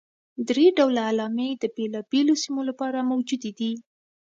درې ډوله علامې د بېلابېلو سیمو لپاره موجودې دي.